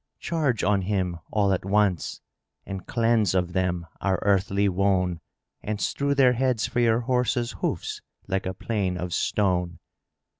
Charge on him all at once and cleanse of them our earthly wone and strew their heads for your horses' hoofs like a plain of stone!"